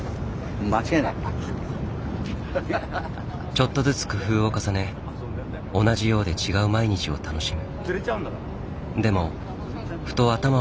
ちょっとずつ工夫を重ね同じようで違う毎日を楽しむ。